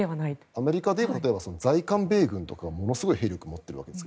アメリカで在韓米軍とかがものすごい兵力を持っているわけです。